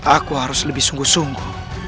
aku harus lebih sungguh sungguh